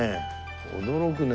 驚くね。